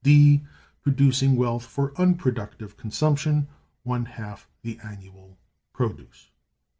(D) Producing wealth for unproductive consumption (A), one half the annual produce.